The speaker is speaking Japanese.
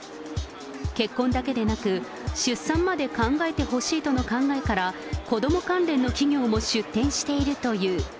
結婚だけでなく、出産まで考えてほしいとの考えから、子ども関連の企業も出展しているという。